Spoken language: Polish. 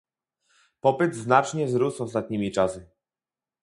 Popyt znacznie wzrósł ostatnimi czasy